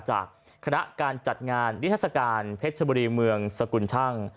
จากฐานะการจติงงานวิทยาศกาลเพชรบริเมืองสกุลชอ้าง